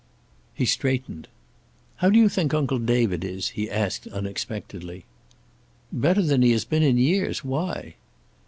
He straightened. "How do you think Uncle David is?" he asked, unexpectedly. "Better than he has been in years. Why?"